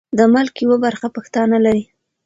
د ملک یوه برخه پښتانه لري.